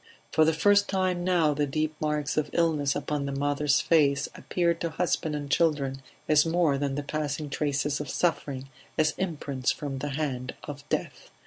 For the first time now the deep marks of illness upon the mother's face appeared to husband and children as more than the passing traces of suffering, as imprints from the hand of death.